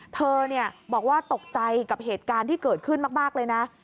เธอบอกว่าตกใจกับเหตุการณ์ที่เกิดขึ้นมากเลยนะ